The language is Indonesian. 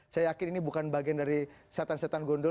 saya yakin ini bukan bagian dari setan setan gondol